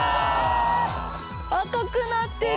赤くなってる。